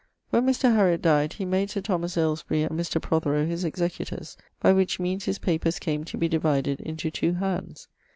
When Mr. Hariot dyed, he made Sir Thomas Alesbury and Mr. Prothero his executors, by which meanes his papers came to be divided into two hands.